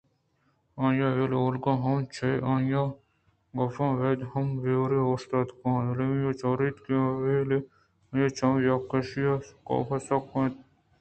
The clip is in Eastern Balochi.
آئی ءَ بل اولگا ہم چہ آئی ءِ گپاں ابکّہ ءُبے باوری ءَ اوشتاتگ ءُایمیلیا ءَ چاران اَت بلئے آئی ءِچم یک کشی ءَ کاف ءَ سک اِت اَنت